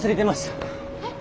えっ！